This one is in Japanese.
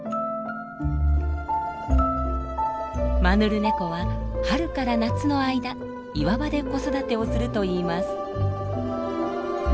マヌルネコは春から夏の間岩場で子育てをするといいます。